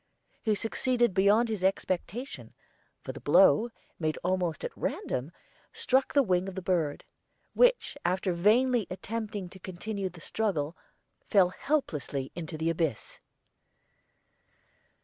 He succeeded beyond his expectation, for the blow, made almost at random, struck the wing of the bird, which, after vainly attempting to continue the struggle, fell helplessly into the abyss.